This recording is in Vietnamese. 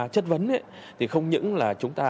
chất vấn thì không những là chúng ta